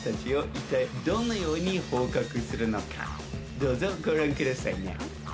どうぞご覧くださいね。